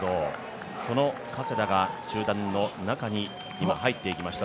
その加世田が集団の中に今、入っていきました。